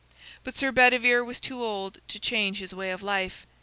But Sir Bedivere was too old to change his way of life.